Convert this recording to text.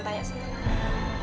saya akan tanya sendiri